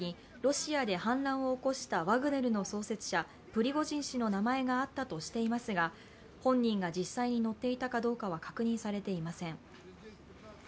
航空当局は搭乗者名簿に、ロシアで反乱を起こしたワグネルの創設者、プリゴジン氏の名前があったとしていますが、本人が実際に乗っていたかどうかは確認されていません。